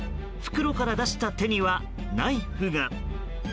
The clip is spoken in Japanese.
袋から出した手にはナイフが。